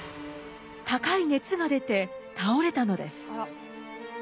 高い熱が出て倒れたのです。